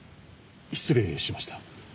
し失礼しました。